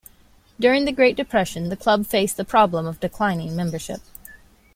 During the Great Depression the club faced the problem of declining membership.